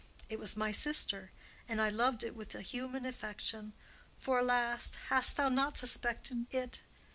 It was my sister, and I loved it with a human affection; for, alas!—hast thou not suspected it?